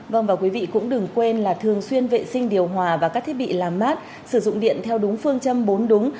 vâng và quý vị cũng đừng quên là thường xuyên vệ sinh điều hòa và các thiết bị làm mát sử dụng điện theo đúng phương châm bốn đúng